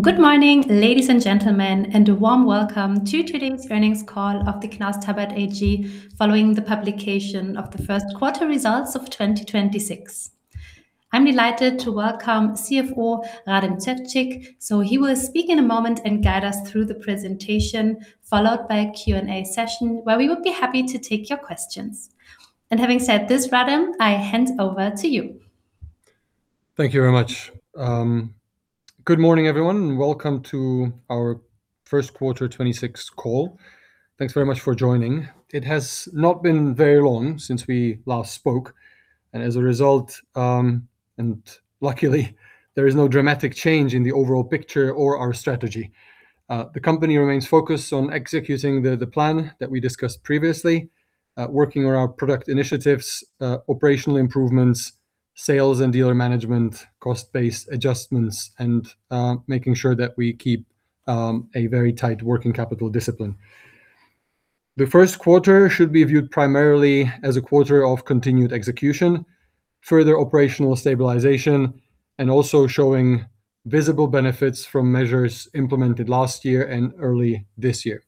Good morning, ladies and gentlemen, a warm welcome to today's earnings call of the Knaus Tabbert AG following the publication of the first quarter results of 2026. I'm delighted to welcome CFO Radim Ševčík. He will speak in a moment and guide us through the presentation, followed by a Q&A session where we would be happy to take your questions. Having said this, Radim, I hand over to you. Thank you very much. Good morning, everyone, and welcome to our first quarter 2026 call. Thanks very much for joining. It has not been very long since we last spoke, and as a result, and luckily, there is no dramatic change in the overall picture or our strategy. The company remains focused on executing the plan that we discussed previously, working on our product initiatives, operational improvements, sales and dealer management, cost-based adjustments, and making sure that we keep a very tight working capital discipline. The first quarter should be viewed primarily as a quarter of continued execution, further operational stabilization, and also showing visible benefits from measures implemented last year and early this year.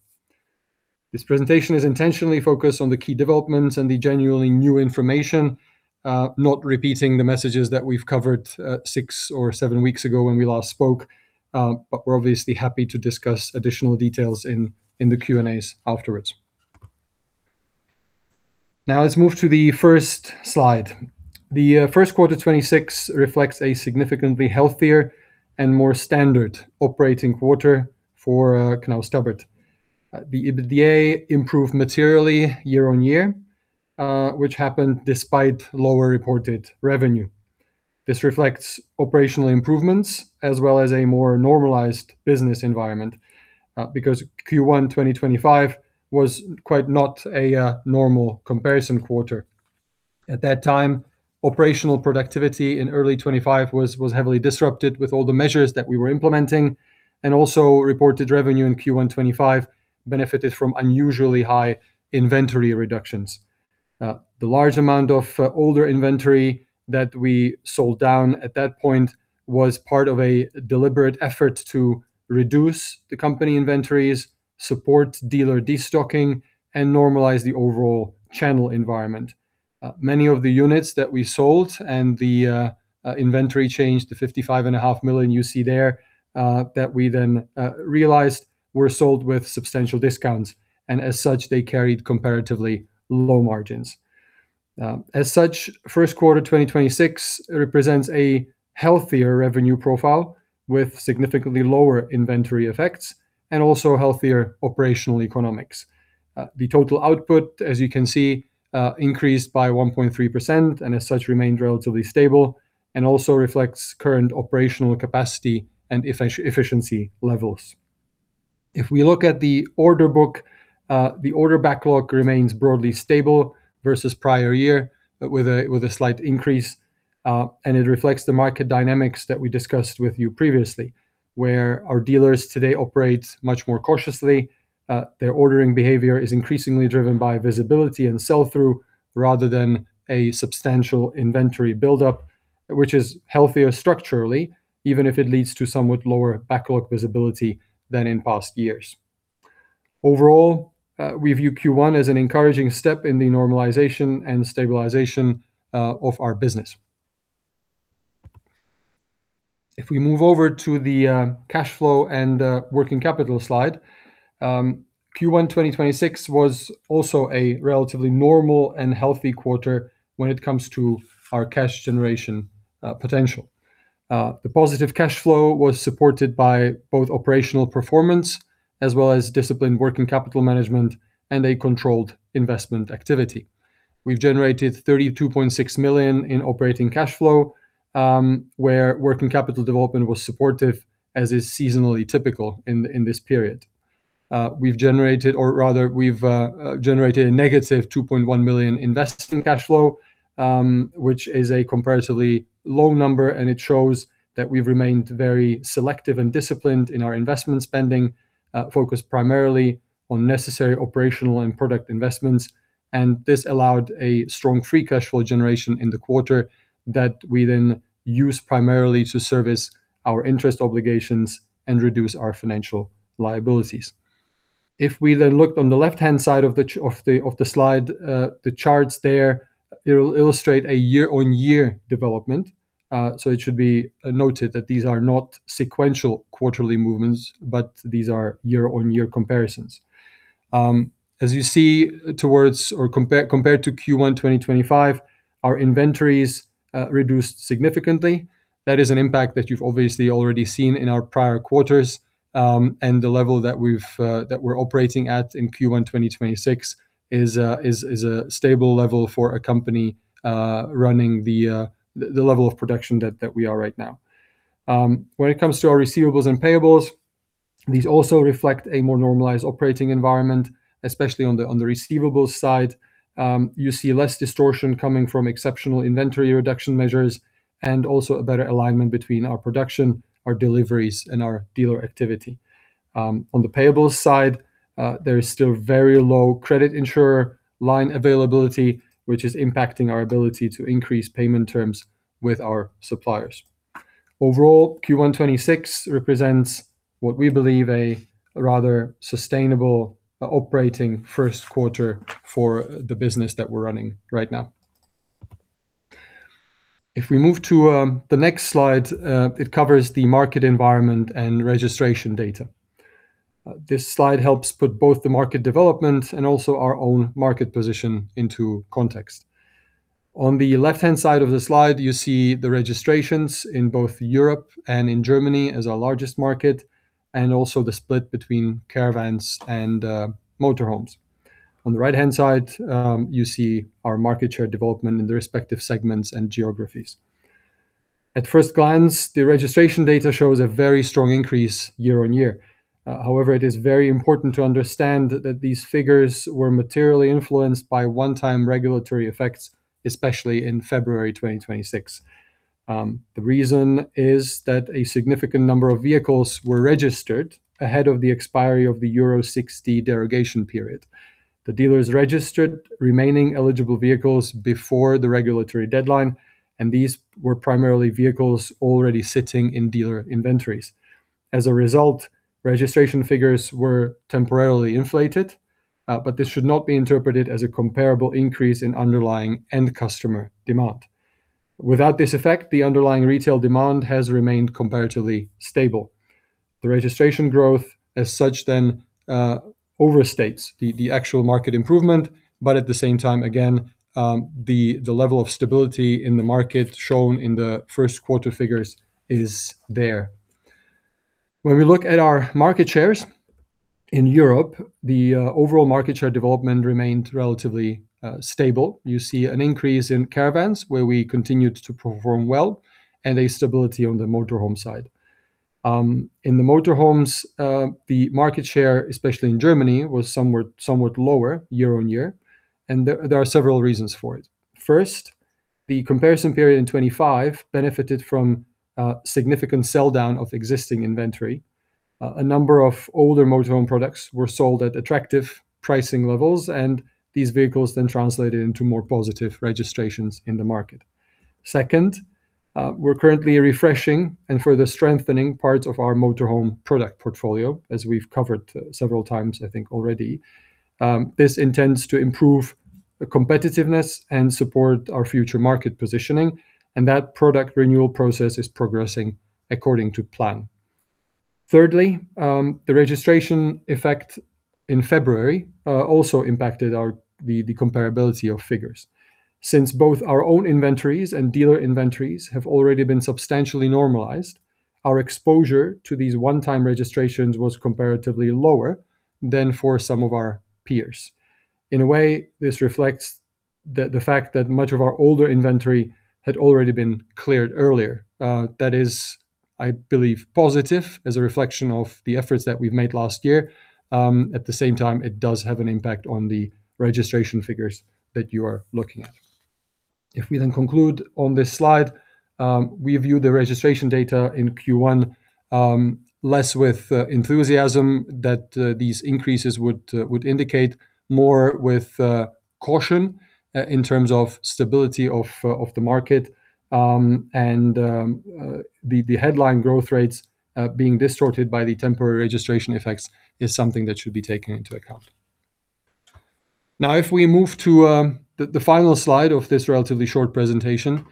This presentation is intentionally focused on the key developments and the genuinely new information, not repeating the messages that we've covered six or seven weeks ago when we last spoke. We're obviously happy to discuss additional details in the Q&As afterwards. Let's move to the first slide. The first quarter 2026 reflects a significantly healthier and more standard operating quarter for Knaus Tabbert. The EBITDA improved materially year-on-year, which happened despite lower reported revenue. This reflects operational improvements as well as a more normalized business environment, because Q1 2025 was quite not a normal comparison quarter. At that time, operational productivity in early 2025 was heavily disrupted with all the measures that we were implementing, and also reported revenue in Q1 2025 benefited from unusually high inventory reductions. The large amount of older inventory that we sold down at that point was part of a deliberate effort to reduce the company inventories, support dealer destocking, and normalize the overall channel environment. Many of the units that we sold and the inventory change to 55.5 million you see there, that we then realized were sold with substantial discounts, and as such, they carried comparatively low margins. As such, first quarter 2026 represents a healthier revenue profile with significantly lower inventory effects and also healthier operational economics. The total output, as you can see, increased by 1.3%, and as such, remained relatively stable and also reflects current operational capacity and efficiency levels. If we look at the order book, the order backlog remains broadly stable versus prior year with a slight increase. It reflects the market dynamics that we discussed with you previously, where our dealers today operate much more cautiously. Their ordering behavior is increasingly driven by visibility and sell-through rather than a substantial inventory buildup, which is healthier structurally, even if it leads to somewhat lower backlog visibility than in past years. Overall, we view Q1 as an encouraging step in the normalization and stabilization of our business. If we move over to the cash flow and working capital slide. Q1 2026 was also a relatively normal and healthy quarter when it comes to our cash generation potential. The positive cash flow was supported by both operational performance as well as disciplined working capital management and a controlled investment activity. We've generated 32.6 million in operating cash flow, where working capital development was supportive, as is seasonally typical in this period. We've generated -2.1 million investment cash flow, which is a comparatively low number, it shows that we've remained very selective and disciplined in our investment spending, focused primarily on necessary operational and product investments. This allowed a strong free cash flow generation in the quarter that we used primarily to service our interest obligations and reduce our financial liabilities. If we look on the left-hand side of the slide, the charts there, it will illustrate a year-on-year development. It should be noted that these are not sequential quarterly movements, but these are year-on-year comparisons. As you see towards or compared to Q1 2025, our inventories reduced significantly. That is an impact that you've obviously already seen in our prior quarters. The level that we're operating at in Q1 2026 is a stable level for a company running the level of production that we are right now. When it comes to our receivables and payables, these also reflect a more normalized operating environment, especially on the receivables side. You see less distortion coming from exceptional inventory reduction measures and also a better alignment between our production, our deliveries, and our dealer activity. On the payables side, there is still very low credit insurer line availability, which is impacting our ability to increase payment terms with our suppliers. Overall, Q1 2026 represents what we believe a rather sustainable operating first quarter for the business that we're running right now. If we move to the next slide, it covers the market environment and registration data. This slide helps put both the market development and also our own market position into context. On the left-hand side of the slide, you see the registrations in both Europe and in Germany as our largest market, and also the split between caravans and motorhomes. On the right-hand side, you see our market share development in the respective segments and geographies. At first glance, the registration data shows a very strong increase year-on-year. However, it is very important to understand that these figures were materially influenced by one-time regulatory effects, especially in February 2026. The reason is that a significant number of vehicles were registered ahead of the expiry of the Euro 6e derogation period. The dealers registered remaining eligible vehicles before the regulatory deadline. These were primarily vehicles already sitting in dealer inventories. As a result, registration figures were temporarily inflated. This should not be interpreted as a comparable increase in underlying end customer demand. Without this effect, the underlying retail demand has remained comparatively stable. The registration growth as such then overstates the actual market improvement. At the same time, again, the level of stability in the market shown in the first quarter figures is there. When we look at our market shares in Europe, the overall market share development remained relatively stable. You see an increase in caravans where we continued to perform well and a stability on the motorhome side. In the motorhomes, the market share, especially in Germany, was somewhat lower year-on-year, and there are several reasons for it. First, the comparison period in 2025 benefited from a significant sell-down of existing inventory. A number of older motorhome products were sold at attractive pricing levels, and these vehicles then translated into more positive registrations in the market. Second, we're currently refreshing and further strengthening parts of our motorhome product portfolio, as we've covered several times, I think, already. This intends to improve the competitiveness and support our future market positioning, and that product renewal process is progressing according to plan. Thirdly, the registration effect in February also impacted the comparability of figures. Since both our own inventories and dealer inventories have already been substantially normalized, our exposure to these one-time registrations was comparatively lower than for some of our peers. In a way, this reflects the fact that much of our older inventory had already been cleared earlier. That is, I believe, positive as a reflection of the efforts that we've made last year. At the same time, it does have an impact on the registration figures that you are looking at. If we then conclude on this slide, we view the registration data in Q1 less with enthusiasm that these increases would indicate more with caution in terms of stability of the market. The headline growth rates being distorted by the temporary registration effects is something that should be taken into account. Now, if we move to the final slide of this relatively short presentation,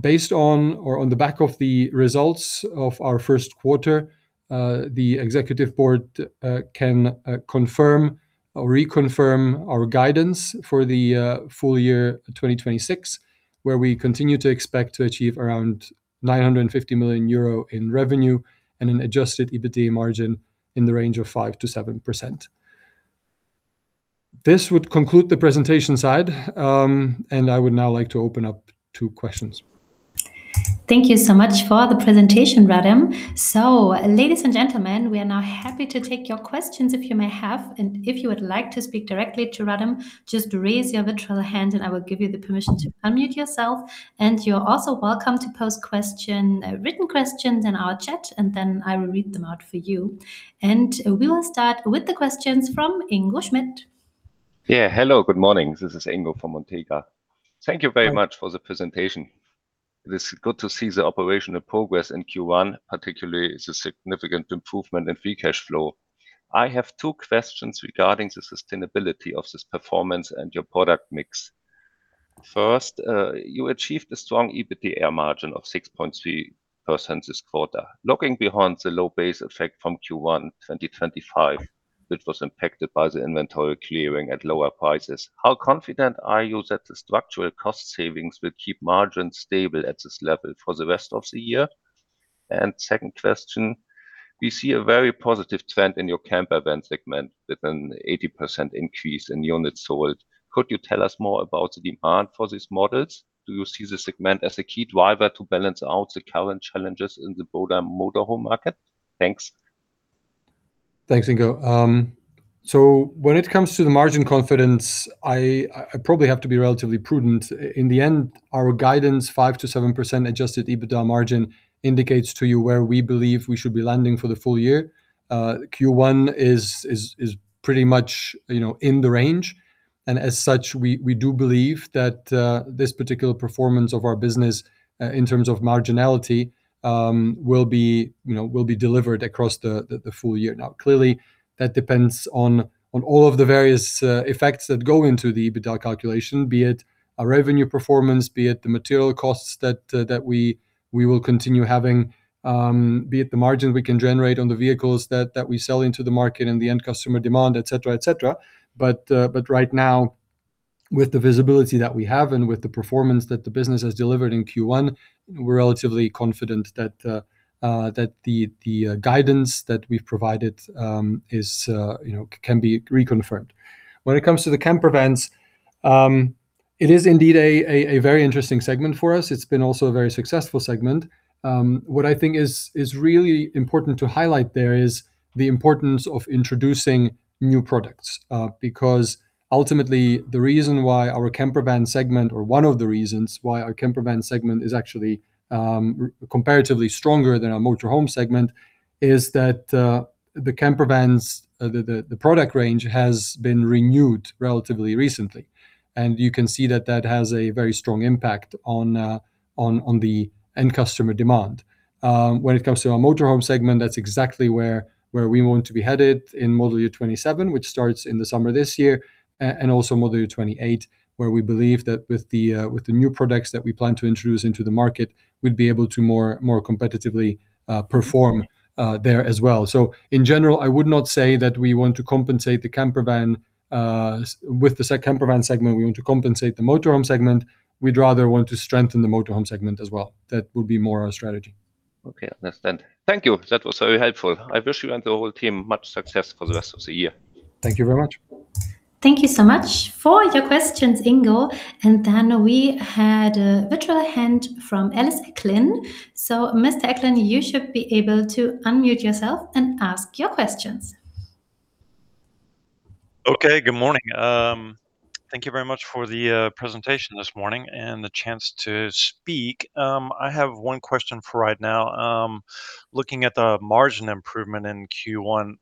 based on or on the back of the results of our first quarter, the executive board can confirm or reconfirm our guidance for the full year 2026, where we continue to expect to achieve around 950 million euro in revenue and an adjusted EBITDA margin in the range of 5%-7%. This would conclude the presentation side, and I would now like to open up to questions. Thank you so much for the presentation, Radim. Ladies and gentlemen, we are now happy to take your questions if you may have. If you would like to speak directly to Radim, just raise your virtual hand, and I will give you the permission to unmute yourself. You're also welcome to post written questions in our chat, and then I will read them out for you. We will start with the questions from Ingo Schmidt. Yeah. Hello. Good morning. This is Ingo from Montega. Thank you very much for the presentation. It is good to see the operational progress in Q1, particularly the significant improvement in free cash flow. I have two questions regarding the sustainability of this performance and your product mix. First, you achieved a strong EBITDA margin of 6.3% this quarter. Looking behind the low base effect from Q1 2025, which was impacted by the inventory clearing at lower prices, how confident are you that the structural cost savings will keep margins stable at this level for the rest of the year? Second question, we see a very positive trend in your camper van segment with an 80% increase in units sold. Could you tell us more about the demand for these models? Do you see this segment as a key driver to balance out the current challenges in the broader motorhome market? Thanks. Thanks, Ingo. When it comes to the margin confidence, I probably have to be relatively prudent. In the end, our guidance 5%-7% adjusted EBITDA margin indicates to you where we believe we should be landing for the full year. Q1 is pretty much, you know, in the range, and as such, we do believe that this particular performance of our business, in terms of marginality, will be delivered across the full year. Now, clearly that depends on all of the various effects that go into the EBITDA calculation, be it our revenue performance, be it the material costs that we will continue having, be it the margin we can generate on the vehicles that we sell into the market and the end customer demand, et cetera, et cetera. Right now with the visibility that we have and with the performance that the business has delivered in Q1, we're relatively confident that the guidance that we've provided is, you know, can be reconfirmed. When it comes to the camper vans, it is indeed a very interesting segment for us. It's been also a very successful segment. What I think is really important to highlight there is the importance of introducing new products, because ultimately the reason why our camper van segment, or one of the reasons why our camper van segment is actually comparatively stronger than our motorhome segment is that the camper vans, the product range has been renewed relatively recently and you can see that that has a very strong impact on the end customer demand. When it comes to our motorhome segment, that's exactly where we want to be headed in model year '27, which starts in the summer this year, and also model year '28, where we believe that with the new products that we plan to introduce into the market, we'd be able to more competitively perform there as well. In general, I would not say that with the camper van segment we want to compensate the motorhome segment. We'd rather want to strengthen the motorhome segment as well. That would be more our strategy. Okay. Understand. Thank you. That was very helpful. I wish you and the whole team much success for the rest of the year. Thank you very much. Thank you so much for your questions, Ingo. We had a virtual hand from Ellis Acklin. Mr. Acklin, you should be able to unmute yourself and ask your questions. Okay. Good morning. Thank you very much for the presentation this morning and the chance to speak. I have one question for right now. Looking at the margin improvement in Q1,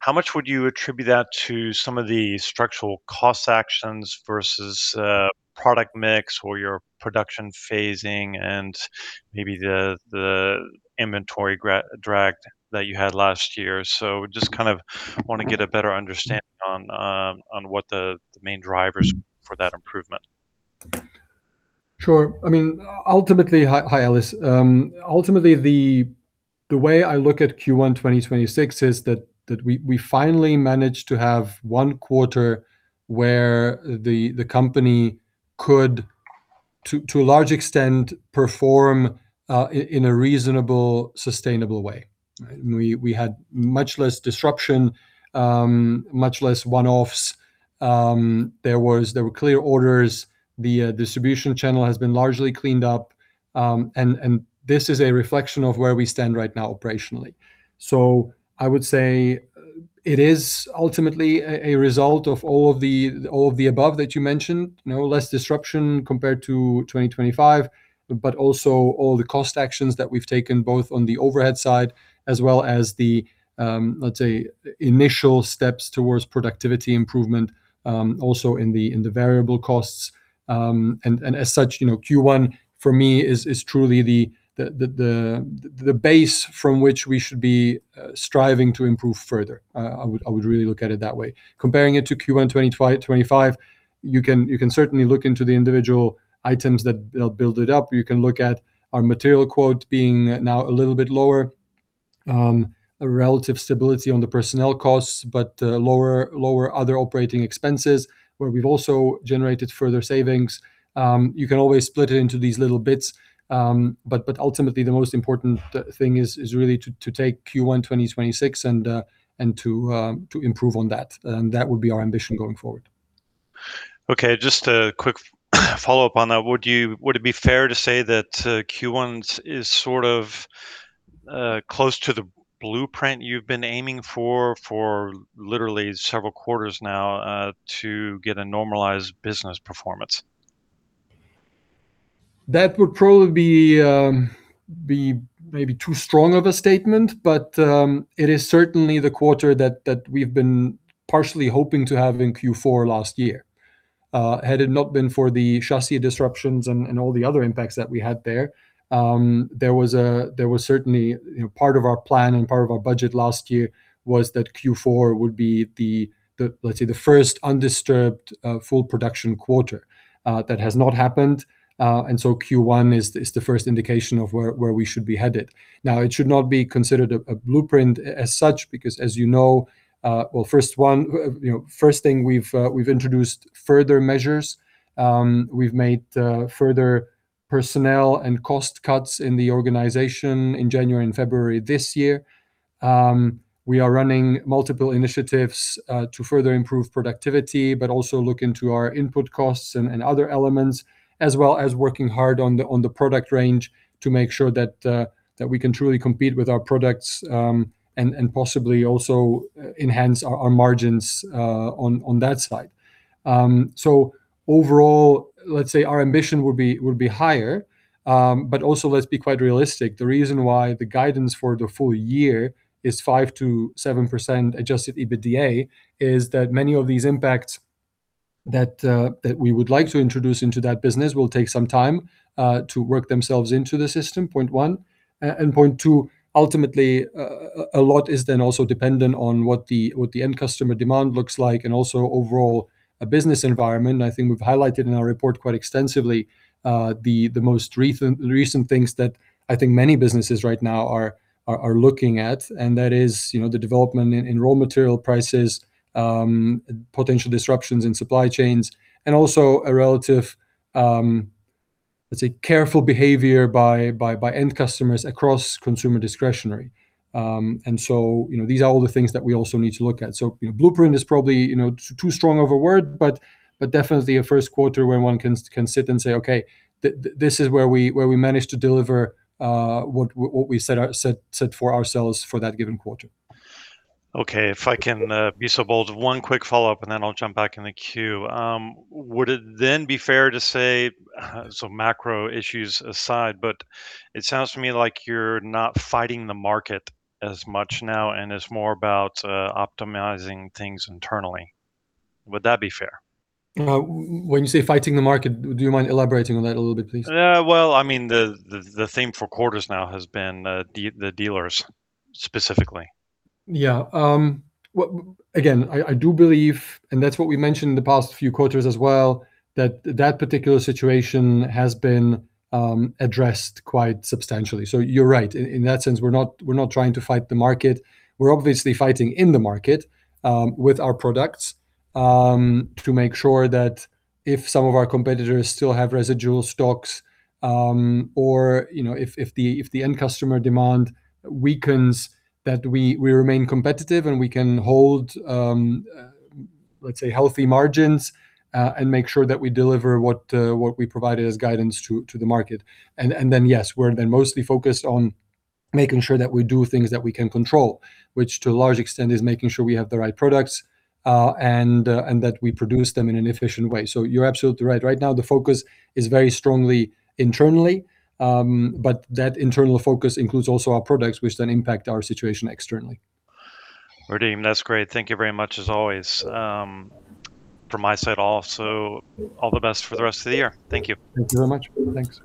how much would you attribute that to some of the structural cost actions versus product mix or your production phasing and maybe the inventory drag that you had last year? Just kind of want to get a better understanding on what the main drivers for that improvement. Sure. I mean, ultimately. Hi, Ellis. Ultimately the way I look at Q1 2026 is that we finally managed to have one quarter where the company could to a large extent perform in a reasonable, sustainable way, right? We had much less disruption, much less one-offs. There were clear orders. The distribution channel has been largely cleaned up. This is a reflection of where we stand right now operationally. I would say it is ultimately a result of all of the above that you mentioned. You know, less disruption compared to 2025, but also all the cost actions that we've taken both on the overhead side as well as the, let's say initial steps towards productivity improvement, also in the variable costs. As such, you know, Q1 for me is truly the base from which we should be striving to improve further. I would really look at it that way. Comparing it to Q1 2025, you can certainly look into the individual items that build it up. You can look at our cost-of-materials ratio being now a little bit lower, a relative stability on the personnel costs, but lower other operating expenses where we've also generated further savings. You can always split it into these little bits, but ultimately the most important thing is really to take Q1 2026 and to improve on that would be our ambition going forward. Okay. Just a quick follow-up on that. Would it be fair to say that Q1's is sort of close to the blueprint you've been aiming for for literally several quarters now to get a normalized business performance? That would probably be maybe too strong of a statement. It is certainly the quarter that we've been partially hoping to have in Q4 last year. Had it not been for the chassis disruptions and all the other impacts that we had there was certainly, you know, part of our plan and part of our budget last year was that Q4 would be the, let's say the first undisturbed, full production quarter. That has not happened. Q1 is the, is the first indication of where we should be headed. It should not be considered a blueprint as such because as you know, well, first one, you know, first thing we've introduced further measures. We've made further personnel and cost cuts in the organization in January and February this year. We are running multiple initiatives to further improve productivity, but also look into our input costs and other elements, as well as working hard on the product range to make sure that we can truly compete with our products and possibly also enhance our margins on that side. Overall, let's say our ambition would be higher, but also let's be quite realistic. The reason why the guidance for the full year is 5%-7% adjusted EBITDA is that many of these impacts that we would like to introduce into that business will take some time to work themselves into the system, point one. Point two, ultimately, a lot is then also dependent on what the end customer demand looks like and also overall business environment. I think we've highlighted in our report quite extensively, the most recent things that I think many businesses right now are looking at, and that is, you know, the development in raw material prices, potential disruptions in supply chains, and also a relative, let's say careful behavior by end customers across consumer discretionary. You know, these are all the things that we also need to look at. Blueprint is probably, you know, too strong of a word, but definitely a first quarter where one can sit and say, "Okay, this is where we managed to deliver what we set for ourselves for that given quarter." Okay. If I can be so bold, one quick follow-up and then I'll jump back in the queue. Would it then be fair to say, macro issues aside, but it sounds to me like you're not fighting the market as much now and it's more about optimizing things internally. Would that be fair? When you say fighting the market, do you mind elaborating on that a little bit, please? Well, I mean, the theme for quarters now has been, the dealers specifically. Yeah. Again, I do believe, and that's what we mentioned in the past few quarters as well, that that particular situation has been addressed quite substantially. You're right. In that sense, we're not, we're not trying to fight the market. We're obviously fighting in the market with our products to make sure that if some of our competitors still have residual stocks, or, you know, if the, if the end customer demand weakens, that we remain competitive and we can hold, let's say healthy margins, and make sure that we deliver what we provided as guidance to the market. Yes, we're then mostly focused on making sure that we do things that we can control, which to a large extent is making sure we have the right products, and that we produce them in an efficient way. You're absolutely right. Right now, the focus is very strongly internally, but that internal focus includes also our products, which then impact our situation externally. Radim, that's great. Thank you very much as always. From my side also, all the best for the rest of the year. Thank you. Thank you very much. Thanks.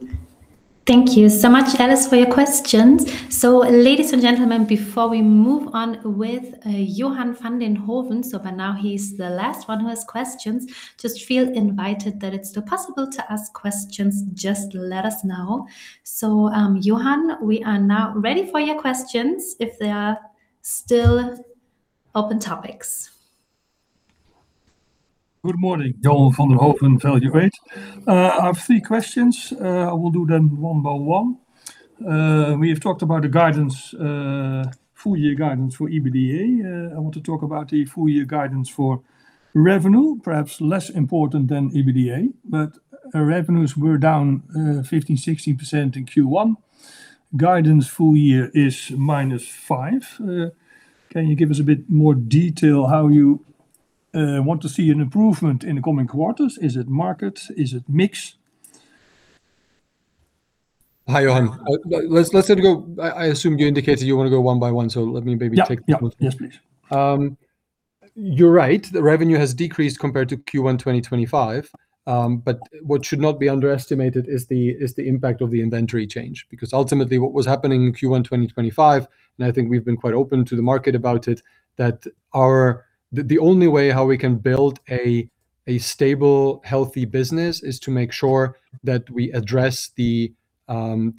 Thank you so much, Ellis for your questions. Ladies and gentlemen, before we move on with Johan van den Hooven, for now he's the last one who has questions, just feel invited that it's still possible to ask questions, just let us know. Johan, we are now ready for your questions if there are still open topics. Good morning. Johan van den Hooven from Value8, I have 3 questions. I will do them one by one. We have talked about the guidance, full year guidance for EBITDA. I want to talk about the full year guidance for revenue, perhaps less important than EBITDA, but our revenues were down 15%-16% in Q1. Guidance full year is -5%. Can you give us a bit more detail how you want to see an improvement in the coming quarters? Is it market? Is it mix? Hi, Johan. let's sort of go I assume you indicated you want to go one by one, so let me maybe take the first one. Yeah. Yeah. Yes, please You're right, the revenue has decreased compared to Q1 2025. What should not be underestimated is the impact of the inventory change. Ultimately what was happening in Q1 2025, and I think we've been quite open to the market about it, that the only way how we can build a stable, healthy business is to make sure that we address the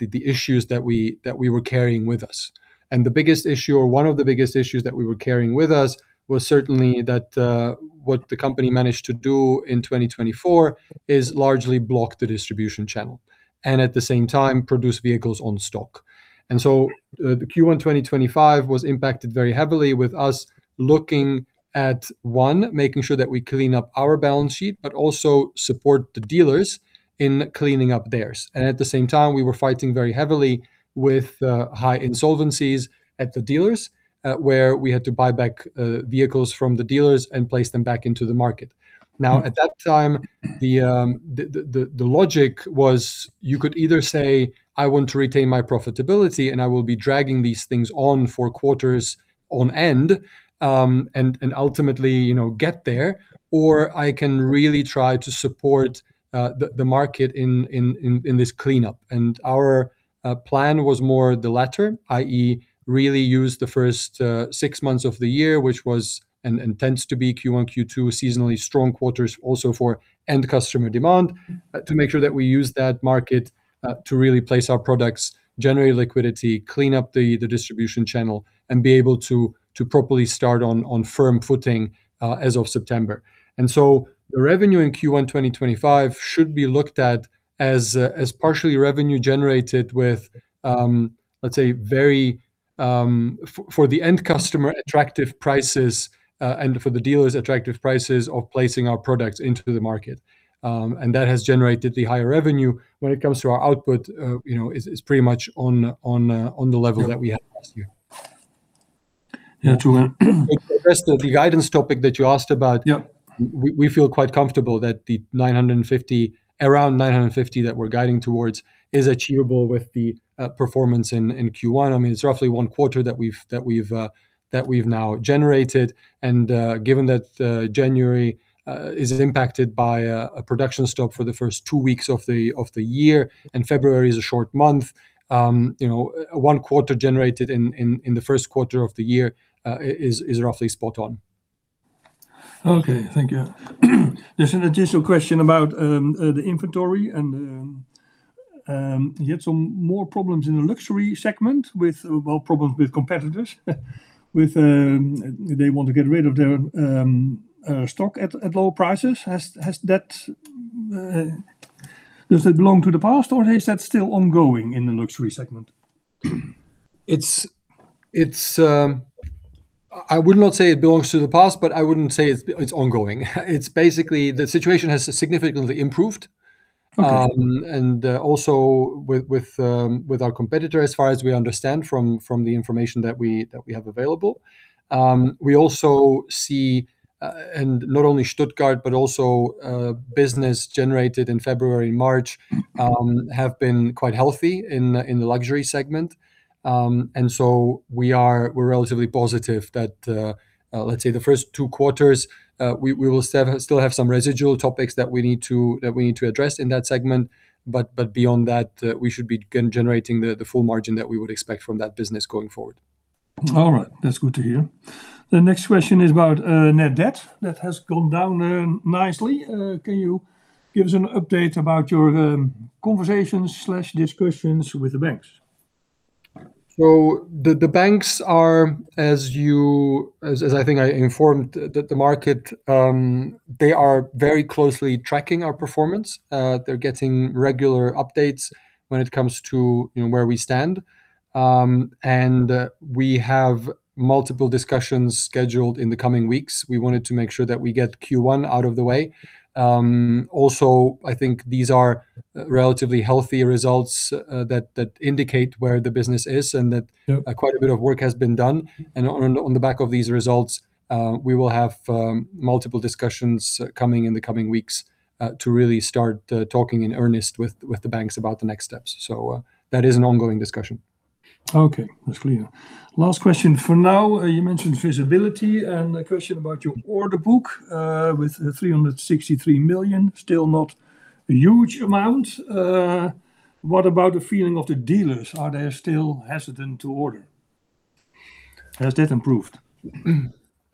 issues that we were carrying with us. The biggest issue or one of the biggest issues that we were carrying with us was certainly that what the company managed to do in 2024 is largely block the distribution channel, and at the same time produce vehicles on stock. The Q1 2025 was impacted very heavily with us looking at, one, making sure that we clean up our balance sheet, but also support the dealers in cleaning up theirs. At the same time, we were fighting very heavily with high insolvencies at the dealers, where we had to buy back vehicles from the dealers and place them back into the market. Now, at that time, the logic was you could either say, "I want to retain my profitability, and I will be dragging these things on for quarters on end, and ultimately, you know, get there," or, "I can really try to support the market in this cleanup." Our plan was more the latter, i.e. really use the first six months of the year, which was and tends to be Q1, Q2 seasonally strong quarters also for end customer demand, to make sure that we use that market to really place our products, generate liquidity, clean up the distribution channel, and be able to properly start on firm footing as of September. The revenue in Q1 2025 should be looked at as partially revenue generated with, let's say for the end customer, attractive prices, and for the dealers, attractive prices of placing our products into the market. That has generated the higher revenue. When it comes to our output, you know, it's pretty much on the level that we had last year. Yeah. The rest of the guidance topic that you asked about. Yeah. We feel quite comfortable that the 950 million, around 950 million that we're guiding towards is achievable with the performance in Q1. I mean, it's roughly one quarter that we've now generated. Given that January is impacted by a production stop for the first two weeks of the year, and February is a short month, you know, one quarter generated in the first quarter of the year, is roughly spot on. Okay. Thank you. There's an additional question about the inventory and you had some more problems in the Luxury Segment with, well, problems with competitors, with they want to get rid of their stock at low prices. Has that does that belong to the past or is that still ongoing in the Luxury Segment? It's, I would not say it belongs to the past, but I wouldn't say it's ongoing. It's basically the situation has significantly improved. Okay. Also with our competitor as far as we understand from the information that we have available. We also see, and not only Stuttgart, but also, business generated in February and March have been quite healthy in the Luxury segment. We are, we're relatively positive that, let's say the first two quarters, we will still have some residual topics that we need to address in that segment, but beyond that, we should begin generating the full margin that we would expect from that business going forward. All right. That's good to hear. The next question is about net debt. That has gone down nicely. Can you give us an update about your conversations/discussions with the banks? The banks are, as I think, I informed the market, they are very closely tracking our performance. They're getting regular updates when it comes to, you know, where we stand. We have multiple discussions scheduled in the coming weeks. We wanted to make sure that we get Q1 out of the way. Also, I think these are relatively healthy results that indicate where the business is. Yeah. Quite a bit of work has been done. On, on the back of these results, we will have multiple discussions coming in the coming weeks, to really start talking in earnest with the banks about the next steps. That is an ongoing discussion. Okay. That's clear. Last question for now. You mentioned visibility, and a question about your order book, with 363 million, still not a huge amount. What about the feeling of the dealers? Are they still hesitant to order? Has that improved?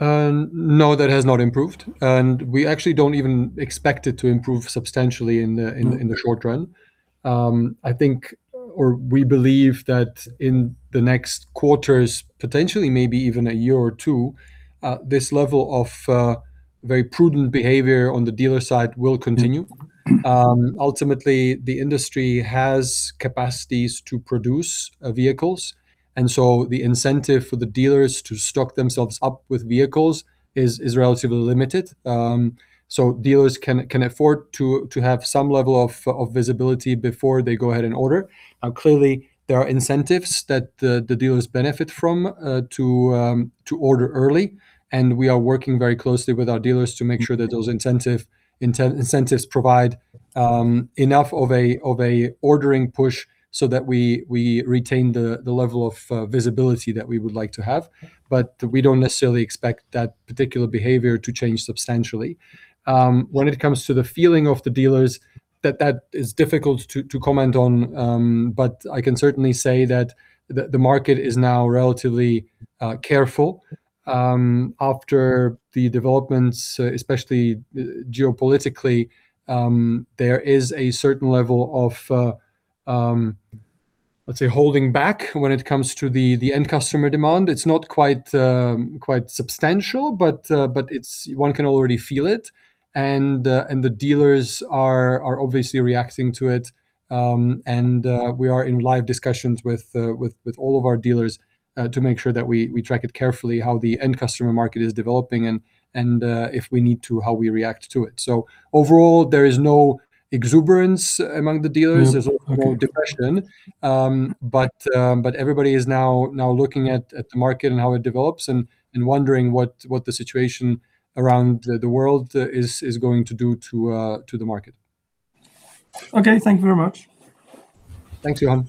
No, that has not improved, and we actually don't even expect it to improve substantially in the short run. I think, or we believe that in the next quarters, potentially maybe even a year or two, this level of very prudent behavior on the dealer side will continue. Ultimately, the industry has capacities to produce vehicles, and so the incentive for the dealers to stock themselves up with vehicles is relatively limited. Dealers can afford to have some level of visibility before they go ahead and order. Now, clearly, there are incentives that the dealers benefit from to order early, and we are working very closely with our dealers to make sure that those incentives provide enough of a ordering push so that we retain the level of visibility that we would like to have. We don't necessarily expect that particular behavior to change substantially. When it comes to the feeling of the dealers, that is difficult to comment on. I can certainly say that the market is now relatively careful. After the developments, especially geopolitically, there is a certain level of let's say holding back when it comes to the end customer demand. It's not quite substantial, but one can already feel it. The dealers are obviously reacting to it. We are in live discussions with all of our dealers to make sure that we track it carefully how the end customer market is developing and if we need to, how we react to it. Overall, there is no exuberance among the dealers. Mm-hmm. Okay. There's. Everybody is now looking at the market and how it develops and wondering what the situation around the world is going to do to the market. Okay. Thank you very much. Thanks, Johan.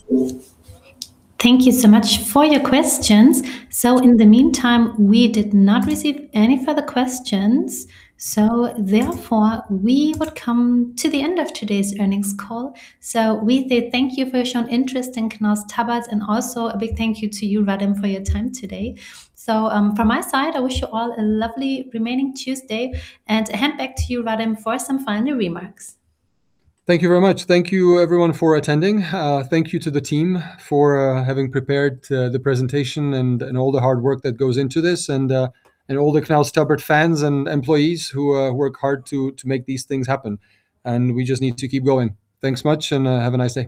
Thank you so much for your questions. In the meantime, we did not receive any further questions, so therefore we would come to the end of today's earnings call. We say thank you for your shown interest in Knaus Tabbert, and also a big thank you to you, Radim, for your time today. From my side, I wish you all a lovely remaining Tuesday, and hand back to you, Radim, for some final remarks. Thank you very much. Thank you everyone for attending. Thank you to the team for having prepared the presentation and all the hard work that goes into this and all the Knaus Tabbert fans and employees who work hard to make these things happen. We just need to keep going. Thanks much, and have a nice day.